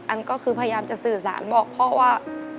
อันก็คือพยายามจะสื่อสารบอกพ่อว่า